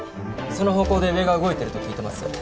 その方向で上が動いてると聞いてます。